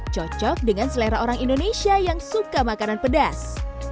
cocok dengan selera orang indonesia yang suka makanan pedas